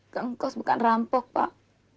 gengkos bukan rampok pak